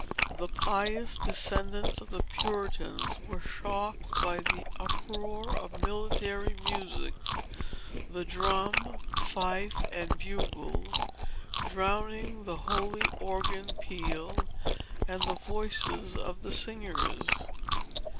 The pious descendants of the Puritans were shocked by the uproar of military music, the drum, fife, and bugle, drowning the holy organ peal and the voices of the singers.